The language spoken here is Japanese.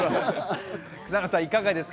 草野さん、いかがですか？